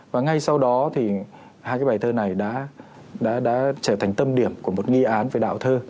và ngay sau đó thì hai cái bài thơ này đã trở thành tâm điểm của một nghi án về đạo thơ